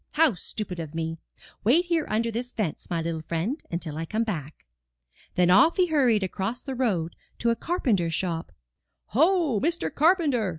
How stupid of me! Wait here under this fence, my little friend, until I come back." Then off he hurried across the road to a car penter's shop. "Ho, Mr. Carpenter!"